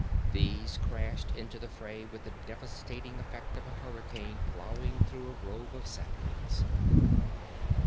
These crashed into the fray with the devastating effect of a hurricane plowing through a grove of saplings.